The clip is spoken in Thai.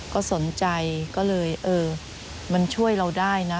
ก็สนใจก็เลยเออมันช่วยเราได้นะ